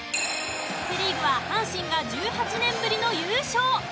セ・リーグは阪神が１８年ぶりの優勝。